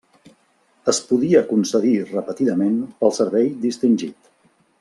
Es podia concedir repetidament pel servei distingit.